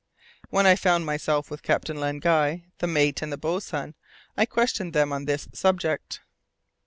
When I found myself with Captain Len Guy, the mate, and the boatswain, I questioned them on this subject.